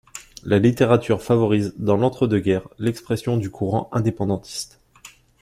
La littérature favorise, dans l'entre-deux-guerres, l'expression du courant indépendantiste.